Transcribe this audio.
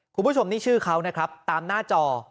คุณผู้ชมนี่ชื่อเขานะครับตามหน้าจอ